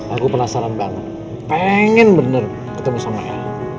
aku penasaran banget pengen bener ketemu sama ayah